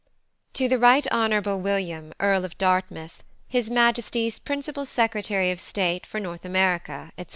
To the Right Honourable WILLIAM, Earl of DARTMOUTH, His Majesty's Principal Secretary of State for North America, &c.